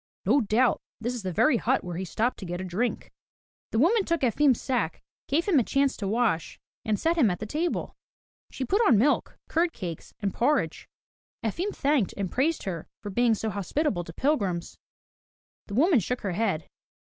"No doubt this is the very hut where he stopped to get a drink." The woman took Efim's sack, gave him a chance to wash, and set him at the table. She put on milk, curd cakes, and porridge. Efim thanked and praised her for being so hospitable to pilgrims. The woman shook her head.